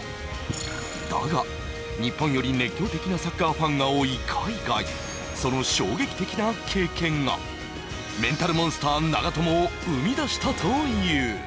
だが、日本より熱狂的なサッカーファンが多い海外、その衝撃的な経験がメンタルモンスター・長友を生み出したという。